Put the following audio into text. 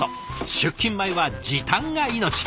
出勤前は時短が命。